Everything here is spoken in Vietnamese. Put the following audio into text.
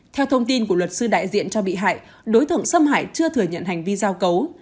theo thông tin của luật sư đại diện cho bị hại đối tượng xâm hại chưa thừa nhận hành vi giao cấu